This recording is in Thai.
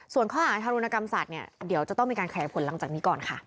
ส่วนข้อหาทารุณกรรมสัตว์เนี่ยเดี๋ยวจะต้องมีการขยายผลหลังจากนี้ก่อนค่ะ